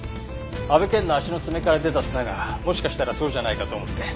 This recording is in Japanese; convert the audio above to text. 阿部健の足の爪から出た砂がもしかしたらそうじゃないかと思って。